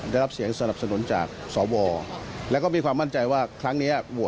คือคือคือคือคือคือคือคือคือคือคือคือคือ